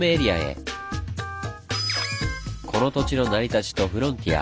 この土地の成り立ちとフロンティア